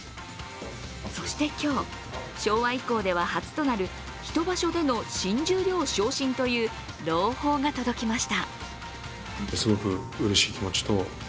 そして今日、昭和以降では初となる一場所での新十両昇進という朗報が届きました。